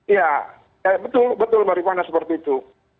iya betul mbak rifana seperti itu